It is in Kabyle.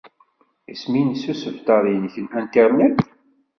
Isem-nnes usebter-nnek n Internet?